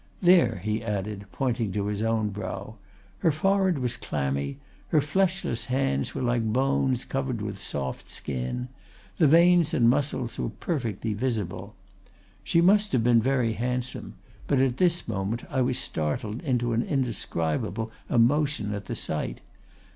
—There,' he added, pointing to his own brow. 'Her forehead was clammy; her fleshless hands were like bones covered with soft skin; the veins and muscles were perfectly visible. She must have been very handsome; but at this moment I was startled into an indescribable emotion at the sight.